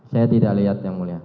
saya tidak lihat yang mulia